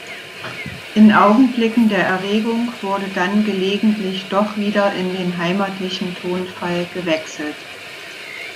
In Augenblicken der Erregung wurde dann gelegentlich doch wieder in den heimatlichen Tonfall gewechselt.